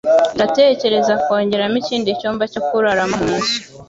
Turatekereza kongeramo ikindi cyumba cyo kuraramo munzu.